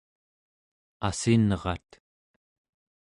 assinrat